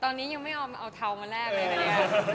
ตอนนี้ยังไม่ยอมเอาเทามาแลกเลยนะเนี่ย